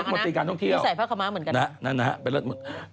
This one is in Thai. ใส่พระคำม้าเหมือนกัน